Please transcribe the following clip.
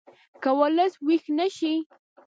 که ولس ویښ نه شي